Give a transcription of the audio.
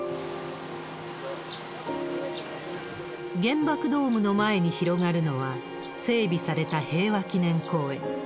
原爆ドームの前に広がるのは、整備された平和記念公園。